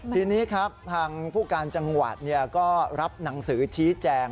ทีนี้ครับทางผู้การจังหวัดก็รับหนังสือชี้แจง